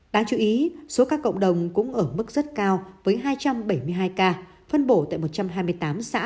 đáng chú ý số ca cộng đồng cũng ở mức rất cao với hai trăm bảy mươi hai ca phân bổ tại một trăm hai mươi tám xã